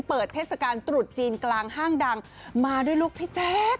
เทศกาลตรุษจีนกลางห้างดังมาด้วยลูกพี่แจ๊ค